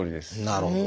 なるほど。